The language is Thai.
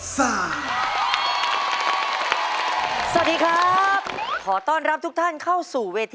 สวัสดีครับขอต้อนรับทุกท่านเข้าสู่เวที